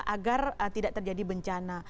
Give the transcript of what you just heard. agar tidak terjadi bencana